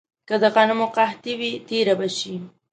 که د غنمو قحطي وي، تېره به شي.